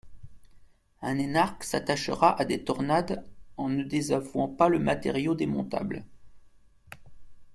Un énarque s'attachera à des tornades en ne désavouant pas le matériau démontable!